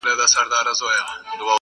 اوس به څوك د ارغسان پر څپو ګرځي٫